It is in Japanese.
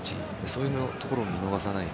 そういうところを見逃さない。